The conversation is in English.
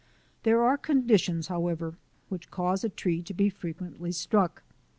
There are conditions, however, which cause a tree to be frequently struck.